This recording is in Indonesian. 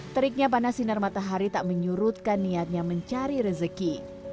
teriknya panas sinar matahari tak menyurutkan niatnya mencari rezeki